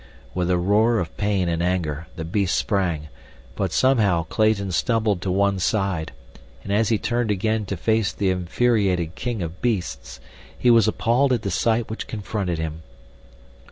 With a roar of pain and anger the beast sprang; but, somehow, Clayton stumbled to one side, and as he turned again to face the infuriated king of beasts, he was appalled at the sight which confronted him.